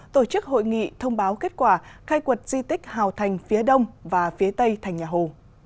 tổ chức hội nghị thông báo kết quả khai quật di tích hào thành phía đông và phía tây thành nhà hồ